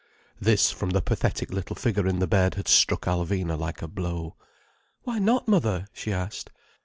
This from the pathetic little figure in the bed had struck Alvina like a blow. "Why not, mother?" she asked.